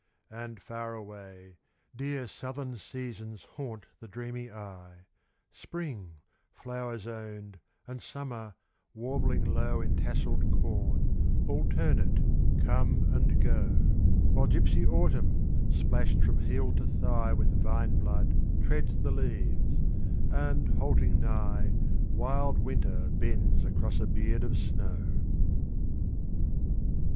And, far away, Dear southern seasons haunt the dreamy eye: Spring, flower zoned, and Summer, warbling low In tasselled corn, alternate come and go, While gypsy Autumn, splashed from heel to thigh With vine blood, treads the leaves; and, halting nigh, Wild Winter bends across a beard of snow.